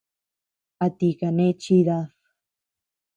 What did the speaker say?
¿A ti kane chidad?